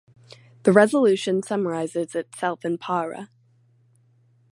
The resolution summarizes itself in Para.